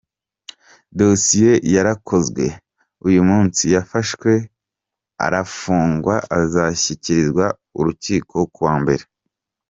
Dosiye yarakozwe , uyu munsi yafashwe arafungwa azashyikirizwa urukiko ku wa Mbere.